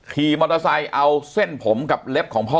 ขี่มอเตอร์ไซค์เอาเส้นผมกับเล็บของพ่อ